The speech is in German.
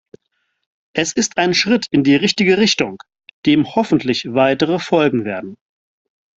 Es ist ein Schritt in die richtige Richtung, dem hoffentlich weitere folgen werden.